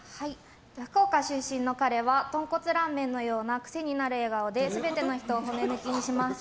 福岡出身の彼は豚骨ラーメンのような癖になる笑顔で、全ての人を骨抜きにします。